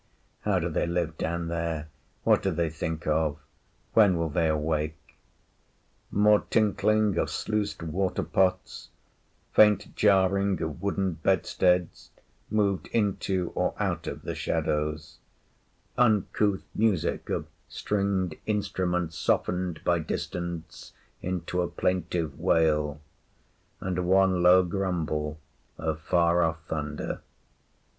‘How do they live down there? What do they think of? When will they awake?’ More tinkling of sluiced water pots; faint jarring of wooden bedsteads moved into or out of the shadows; uncouth music of stringed instruments softened by distance into a plaintive wail, and one low grumble of far off thunder.